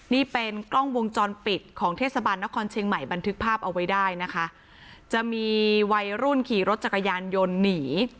นี่เป็นกล้องวงจรปิดของเทศบาลนครเชียงใหม่บันทึกภาพเอาไว้ได้นะคะจะมีวัยรุ่นขี่รถจักรยานยนต์หนี